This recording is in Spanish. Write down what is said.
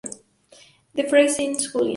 La Fage-Saint-Julien